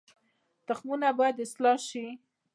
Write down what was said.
تخمونه باید اصلاح شي